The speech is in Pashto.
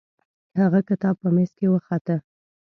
هغه کتاب په میز کې وخته.